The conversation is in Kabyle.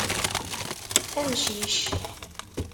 Amcic!